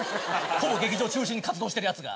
ほぼ劇場中心に活動してるやつが。